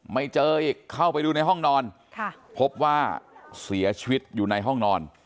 ไม่เจออีกเข้าไปดูในห้องนอนพบว่าเสียชีวิตอยู่ในห้องนอน